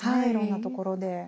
いろんなところで。